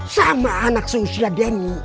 sama anak seusia denny